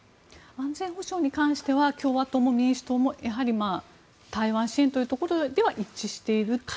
安全保障に関しては共和党も民主党もやはり台湾支援というところでは一致しているという。